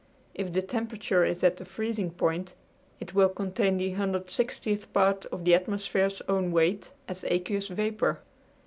If the temperature is at the freezing point it will contain the 160th part of the atmosphere's own weight as aqueous vapor.